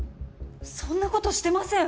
そんな事してません！